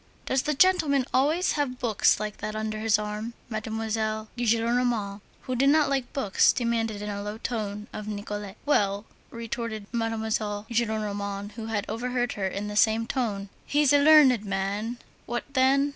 "Does the gentleman always have books like that under his arm?" Mademoiselle Gillenormand, who did not like books, demanded in a low tone of Nicolette. "Well," retorted M. Gillenormand, who had overheard her, in the same tone, "he's a learned man. What then?